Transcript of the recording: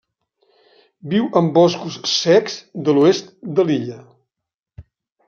Viu en boscos secs de l'oest de l'illa.